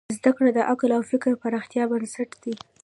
زدهکړه د عقل او فکر پراختیا بنسټ دی.